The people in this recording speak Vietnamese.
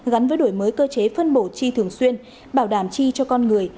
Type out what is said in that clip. gắn với đổi mới cơ chế phân bổ chi thường xuyên bảo đảm chi cho con người